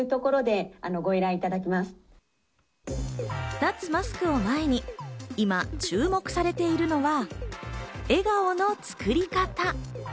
脱マスクを前に今、注目されているのは、笑顔の作り方。